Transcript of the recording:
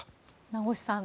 名越さん